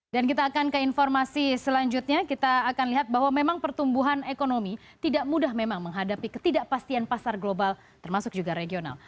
dan kita akan ke informasi selanjutnya kita akan lihat bahwa memang pertumbuhan ekonomi tidak mudah memang menghadapi ketidakpastian pasar global termasuk juga regional